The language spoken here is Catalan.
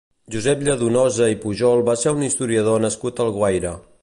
Josep Lladonosa i Pujol va ser un historiador nascut a Alguaire.